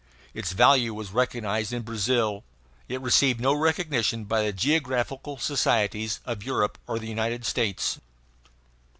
Its value was recognized in Brazil. It received no recognition by the geographical societies of Europe or the United States.